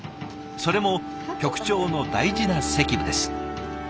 それも局長の大事な責務です。